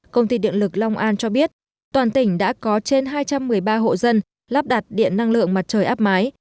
công ty điện lực long an cho biết toàn tỉnh đã có trên hai trăm một mươi ba hộ dân lắp đặt điện năng lượng mặt trời áp mái